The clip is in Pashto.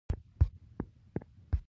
دوو تنو د يوې الوتکې په لور تېز تېز �